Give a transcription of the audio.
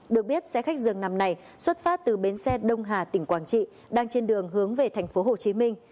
được biết xe khách dường nằm này xuất phát từ bến xe đông hà tỉnh quảng trị đang trên đường hướng về thành phố hồ chí minh